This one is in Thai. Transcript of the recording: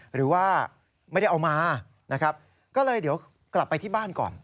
หรือว่าไม่ได้เอามานะครับก็เลยเดี๋ยวกลับไปที่บ้านก่อน